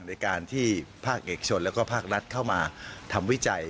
ในการที่ภาคเอกชนแล้วก็ภาครัฐเข้ามาทำวิจัย